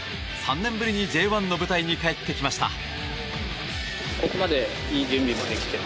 ３年ぶりにＪ１の舞台に帰ってきました。